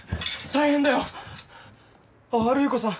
大変だよ。